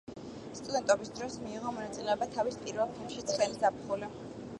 სტუდენტობის დროს მიიღო მონაწილეობა თავის პირველ ფილმში „ცხელი ზაფხული“.